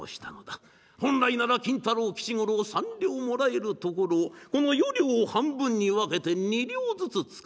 本来なら金太郎吉五郎三両もらえるところこの四両を半分に分けて二両ずつ遣わす。